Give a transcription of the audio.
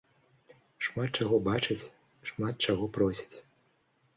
Шмат чаго бачаць, шмат чаго просяць.